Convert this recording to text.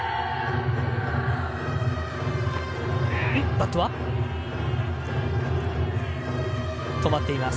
バットは止まっています。